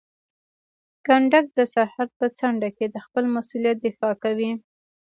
کنډک د سرحد په څنډه کې د خپل مسؤلیت دفاع کوي.